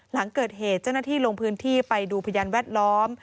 หลังเกิดเหตุเจ้าหน้าที่ลงพื้นที่ไปดูพยานแวดล้อม